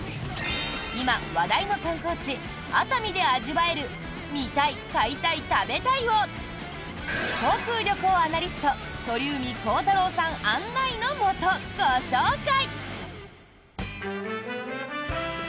今話題の観光地・熱海で味わえる見たい、買いたい、食べたいを航空・旅行アナリスト鳥海高太朗さん案内のもとご紹介！